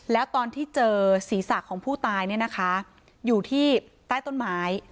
แล้วตอนที่เจอศีรษะของผู้ตายได้อยู่ที่ใต้ต้นหมาย